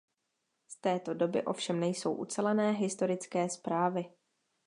Z této doby ovšem nejsou ucelené historické zprávy.